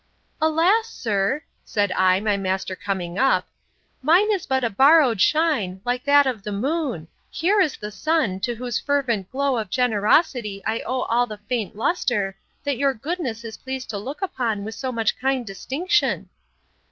Alas! sir, said I, my master coming up, mine is but a borrowed shine, like that of the moon. Here is the sun, to whose fervent glow of generosity I owe all the faint lustre, that your goodness is pleased to look upon with so much kind distinction.